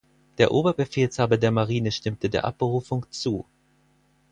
Der Oberbefehlshaber der Marine stimmte der Abberufung zu.